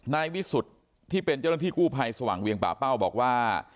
นายวิสุทธิ์ที่เป็นเจ้าหน้าที่กู้ภัยสว่างเวียงป่าเป้าบอกว่า